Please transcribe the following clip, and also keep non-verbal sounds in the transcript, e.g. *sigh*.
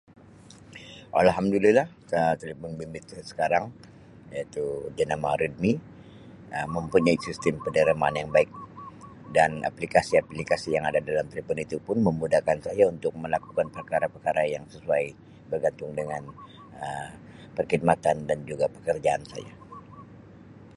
Alhamdulillah Um telefon bimbit saya sekarang iaitu jenama Redmi *noise* mempunyai sistem penerimaan yang baik dan aplikasi-aplikasi yang dalam telefon itu memudahkan saya untuk melakukan perkara- perkara yang sesuai bergantung dengan Um pekhidmatan dan juga pekerjaan saya.